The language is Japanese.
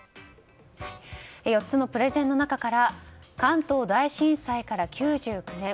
４つのプレゼンの中から関東大震災から９９年。